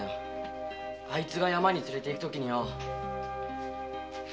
あいつが山に連れて行くときによ